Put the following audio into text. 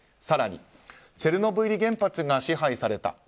更に、チェルノブイリ原発が支配された。